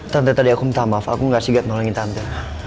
tante tadi aku minta maaf aku nggak sigap nolongin tante